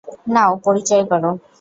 নাও, পরিচয় করো।